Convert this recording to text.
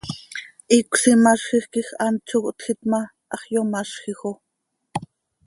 Hicös imazjij quij hant zo cohtjiit ma, hax yomazjij oo.